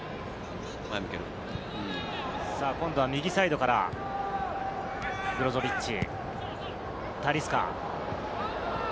今度は右サイドからブロゾビッチ。